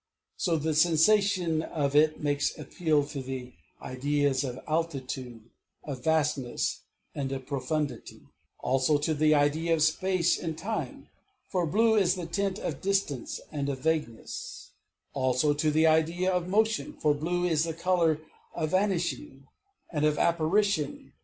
So the sensation of it makes appeal to the ideas of Altitude, of Vastness, and of Profundity; Also to the idea of Space in Time; for blue is the tint of distance and of vagueness; Also to the idea of Motion; for blue is the color of Vanishing and of Apparition.